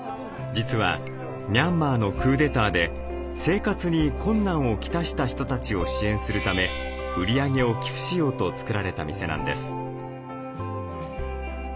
実はミャンマーのクーデターで生活に困難をきたした人たちを支援するため売り上げを寄付しようと作られた店なんです。